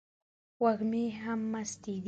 وږمې هم مستې دي